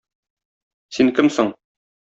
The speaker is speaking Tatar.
Син кем соң?